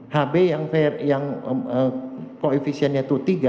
hb yang koefisiennya itu tiga